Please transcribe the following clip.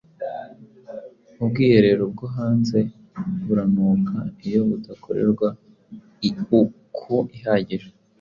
Ubwiherero bwo hanze buranuka iyo budakorerwa iuku ihagije